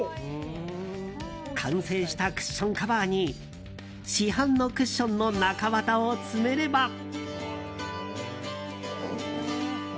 完成したクッションカバーに市販のクッションの中綿を詰めれば。